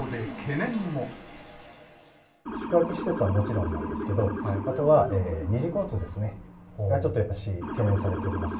宿泊施設はもちろんなんですけど、あとは二次交通ですね、がちょっとやっぱり懸念されています。